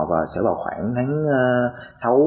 và sẽ vào khoảng tháng sau